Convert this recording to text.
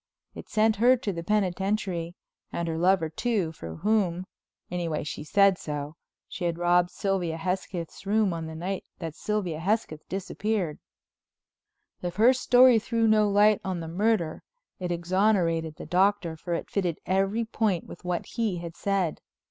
It sent her to the penitentiary, and her lover, too, for whom—anyway she said so—she had robbed Sylvia's Hesketh's room on the night that Sylvia Hesketh disappeared. If her story threw no light on the murder it exonerated the Doctor, for it fitted at every point with what he had said.